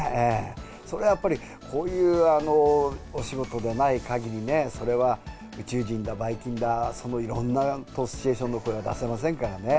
それはやっぱり、こういうお仕事でないかぎりね、それは宇宙人だ、ばい菌だ、そのいろんなシチュエーションの声は出せませんからね。